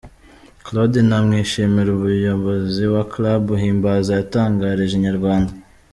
Claude Ntamwishimira umuyobozi wa Club Himbaza, yatangarije Inyarwanda.